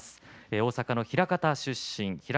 大阪の枚方市出身。